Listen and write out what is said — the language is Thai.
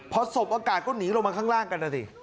พอสบโอกาสก็หนีลงมาข้างล่างกันนะสิ